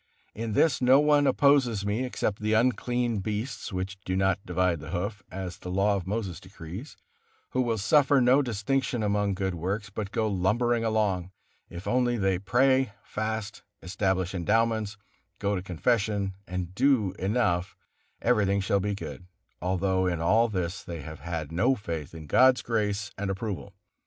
In this no one opposes me except the unclean beasts, which do not divide the hoof, as the Law of Moses decrees; who will suffer no distinction among good works, but go lumbering along: if only they pray, fast, establish endowments, go to confession, and do enough, everything shall be good, although in all this they have had no faith in God's grace and approval.